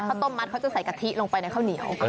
ต้มมัดเขาจะใส่กะทิลงไปในข้าวเหนียว